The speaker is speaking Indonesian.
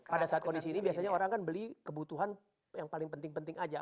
pada saat kondisi ini biasanya orang kan beli kebutuhan yang paling penting penting aja